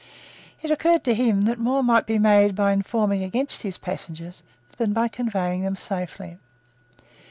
It occurred to him that more might be made by informing against his passengers than by conveying them safely.